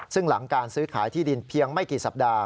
ซึ่งหลังการซื้อขายที่ดินเพียงไม่กี่สัปดาห